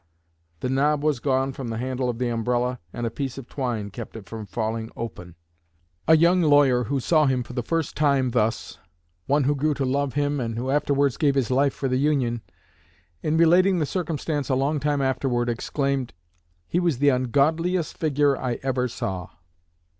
The knob was gone from the handle of the umbrella and a piece of twine kept it from falling open. A young lawyer who saw him for the first time thus one who grew to love him and who afterwards gave his life for the Union in relating the circumstance a long time afterward, exclaimed: "He was the ungodliest figure I ever saw."